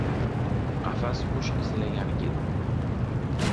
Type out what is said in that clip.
Qafas qush izlagani ketdi.